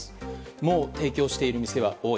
もう提供している店は多い。